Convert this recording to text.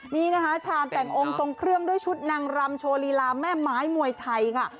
นี่นะคะชามแต่งองค์ทรงเครื่องด้วยชุดนางรำโชว์ลีลาแม่ไม้มวยไทยค่ะ